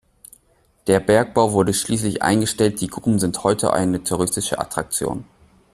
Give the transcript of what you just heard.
Der Bergbau wurde schließlich eingestellt, die Gruben sind heute eine touristische Attraktion.